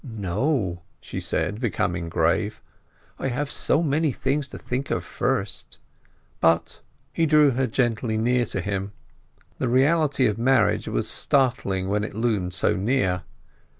"No," she said, becoming grave: "I have so many things to think of first." "But—" He drew her gently nearer to him. The reality of marriage was startling when it loomed so near.